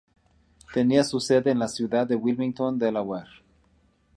Tenía su sede en la ciudad de Wilmington, Delaware.